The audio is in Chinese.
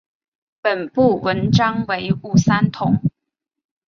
本部纹章为五三桐。